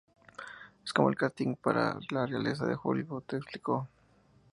Es como el casting para la realeza de Hollywood", explicó.